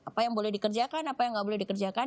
apa yang boleh dikerjakan apa yang nggak boleh dikerjakan